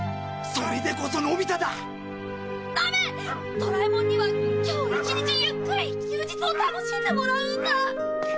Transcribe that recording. ドラえもんには今日一日ゆっくり休日を楽しんでもらうんだ。